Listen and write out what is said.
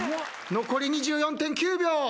残り２４．９秒。